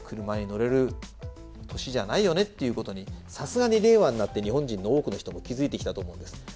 車に乗れる年じゃないよねっていうことにさすがに令和になって日本人の多くの人も気付いてきたと思うんです。